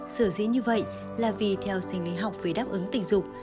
sở dĩ như vậy là vì theo sinh lý học vì đáp ứng tình dục